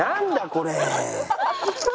これ。